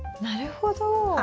なるほど。